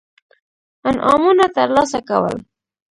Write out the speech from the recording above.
انعامونه ترلاسه کول.